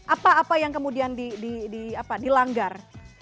apa apa yang kemudian dilanggar